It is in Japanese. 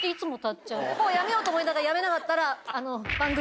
もうやめようと思いながらやめなかったから。